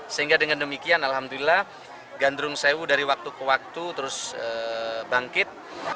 sehingga dengan demikian alhamdulillah gandrung sewu dari waktu ke waktu terus bangkit